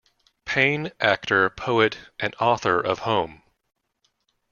Payne, actor, poet, and author of Home!